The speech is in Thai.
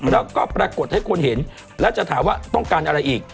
แล้วก็ปรากฏให้คนเห็นแล้วจะถามว่าต้องการอะไรอีก